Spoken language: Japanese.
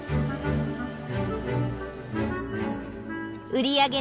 売り上げ